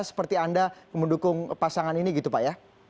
seperti anda mendukung pasangan ini gitu pak ya